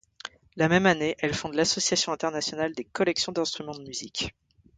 La même année, elle fonde l’Association internationale des collections d’instruments de musique.